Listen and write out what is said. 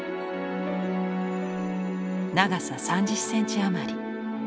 長さ３０センチ余り。